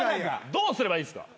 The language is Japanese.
どうすればいいですか？